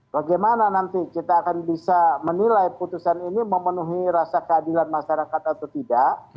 bagaimana nanti kita akan bisa menilai putusan ini memenuhi rasa keadilan masyarakat atau tidak